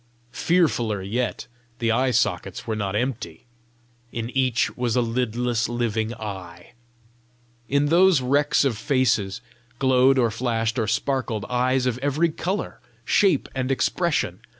Fearfuller yet, the eye sockets were not empty; in each was a lidless living eye! In those wrecks of faces, glowed or flashed or sparkled eyes of every colour, shape, and expression.